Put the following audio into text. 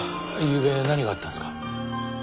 ゆうべ何があったんですか？